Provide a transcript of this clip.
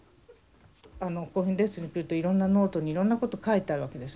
ここにレッスンに来るといろんなノートにいろんなこと書いてあるわけです。